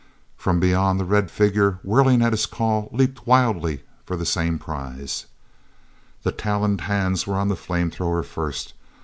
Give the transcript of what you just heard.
From beyond, the red figure, whirling at his call, leaped wildly for the same prize. The taloned hands were on the flame thrower first.